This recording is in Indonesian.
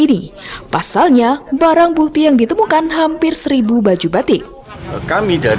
begini pasalnya barang bukti yang ditemukan hampir seribu baju batik